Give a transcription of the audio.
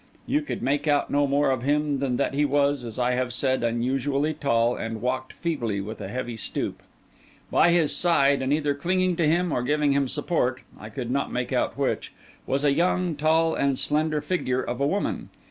You could make out no more of him than that he was, as I have said, unusually tall, and walked feebly with a heavy stoop. By his side, and either clinging to him or giving him support—I could not make out which—was a young, tall, and slender figure of a woman.